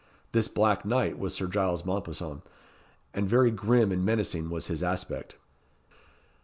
This black knight was Sir Giles Mompesson, and very grim and menacing was his aspect.